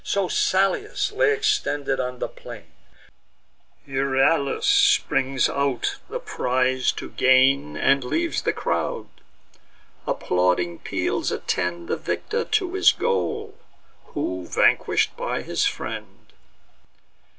So Salius lay extended on the plain; Euryalus springs out, the prize to gain, And leaves the crowd: applauding peals attend The victor to the goal, who vanquish'd by his friend.